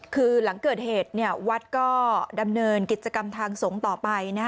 คือหลังเกิดเหตุวัดก็ดำเนินกิจกรรมทางสงฆ์ต่อไป